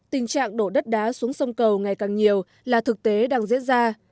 tình trạng đổ đất đá xuống sông cầu ngày càng nhiều là thực tế đang diễn ra